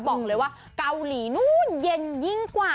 บอกเลยว่าเกาหลีนู้นเย็นยิ่งกว่า